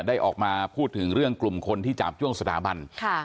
ได้ออกมาพูดถึงเรื่องกลุ่มคนที่จาบจ้วงสถาบัน